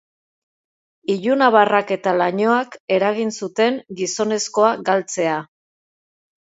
Ilunabarrak eta lainoak eragin zuten gizonezkoa galtzea.